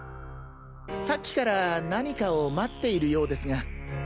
さっきから何かを待っているようですが。